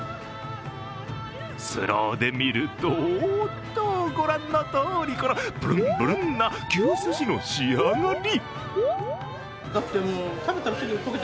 スローで見ると、ご覧のとおり、このプルンプルンな牛すじの仕上がり。